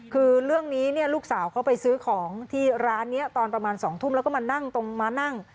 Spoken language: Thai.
คือเรื่องนี้เนี่ยลูกสาวเขาไปซื้อของที่ร้านนี้ตอนประมาณ๒ทุ่มแล้วก็มานั่งตรงมานั่ง